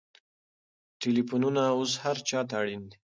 ټلېفونونه اوس هر چا ته اړین دي.